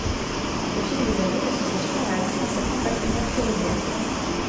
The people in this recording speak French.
Au fil des années l'association a acquis un certain patrimoine ferroviaire.